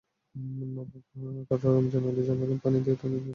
নবাব কাটরার রমজান আলী জানালেন, পানি নিয়ে তাঁদের দুই ধরনের সমস্যা।